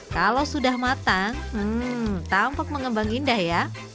kalau sudah matang hmm tampak mengembang indah ya